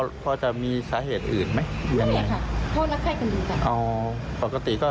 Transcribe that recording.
แล้วมีพอจะมีสาเหตุอื่นมั้ยไม่มีค่ะโทษรักษากันดูกัน